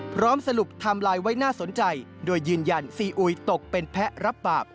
พร้อมสรุปไทม์ไลน์ไว้น่าสนใจโดยยืนยันซีอุยตกเป็นแพ้รับบาป